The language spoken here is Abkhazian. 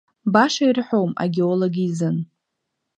Баша ирҳәом агеолог изын…